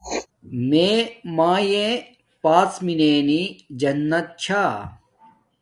میے مایاݵ پاڎ مننی جنت چھا